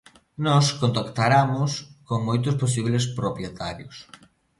Nós contactaramos con moitos posibles propietarios.